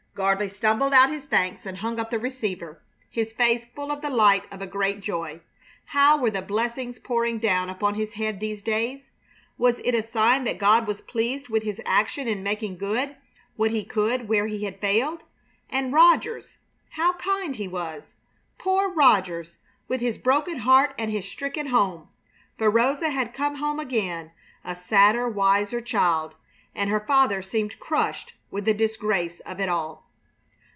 Gardley stumbled out his thanks and hung up the receiver, his face full of the light of a great joy. How were the blessings pouring down upon his head these days? Was it a sign that God was pleased with his action in making good what he could where he had failed? And Rogers! How kind he was! Poor Rogers, with his broken heart and his stricken home! For Rosa had come home again a sadder, wiser child; and her father seemed crushed with the disgrace of it all.